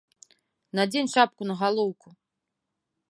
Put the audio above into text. Надзень шапку на галоўку!